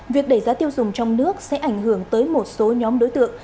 việc đẩy giá tiêu dùng trong nước sẽ ảnh hưởng tới một số nhóm đối tượng